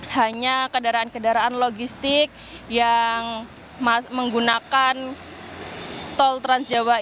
hanya kendaraan kendaraan logistik yang menggunakan tol trans jawa